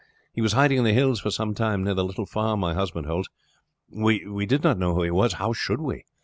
He was hiding in the hills for some time near the little farm my husband holds. We did not know who he was how should we?